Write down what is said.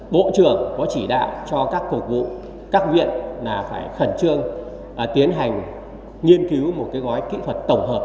bộ trưởng có chỉ đạo cho các cầu vụ các viện là phải khẩn trương tiến hành nghiên cứu một cái gói kỹ thuật tổng hợp